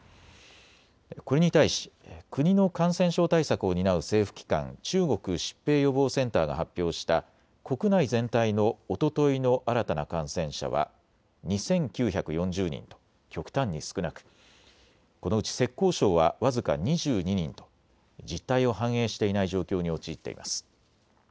これに対し国の感染症対策を担う政府機関、中国疾病予防センターが発表した国内全体のおとといの新たな感染者は２９４０人と極端に少なくこのうち浙江省は僅か２２人と実態を反映していない状況に陥っています。